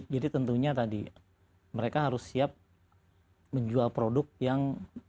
jadi tentunya tadi mereka harus siap menjual produk yang